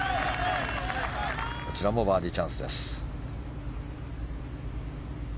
こちらもバーディーチャンスです。